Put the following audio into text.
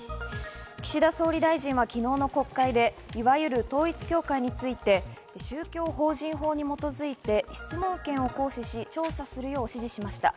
岸田総理大臣は昨日の国会でいわゆる統一教会について、宗教法人法に基づいて質問権を行使し、調査するよう指示しました。